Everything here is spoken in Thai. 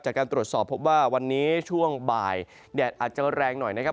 จากการตรวจสอบพบว่าวันนี้ช่วงบ่ายแดดอาจจะแรงหน่อยนะครับ